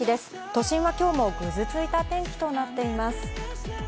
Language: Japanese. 都心は今日もぐずついた天気となっています。